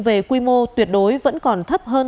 về quy mô tuyệt đối vẫn còn thấp hơn